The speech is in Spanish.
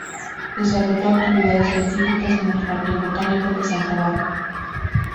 Desarrolló actividades científicas en el Jardín botánico de Santa Bárbara.